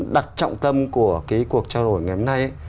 đặt trọng tâm của cuộc trai đổi ngày hôm nay